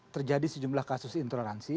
terjadi sejumlah kasus intoleransi